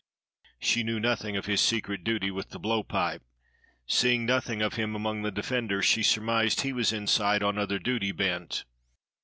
She knew nothing of his secret duty with the blow pipe: seeing nothing of him among the defenders, she surmised he was inside on other duty bent.